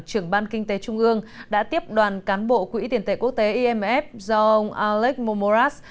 trưởng ban kinh tế trung ương đã tiếp đoàn cán bộ quỹ tiền tệ quốc tế imf do ông alex momoras